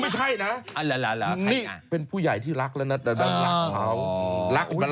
ไม่ใช่นะนี่เป็นผู้ใหญ่ที่รักแล้วนะรักเค้า